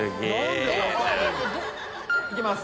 いきます。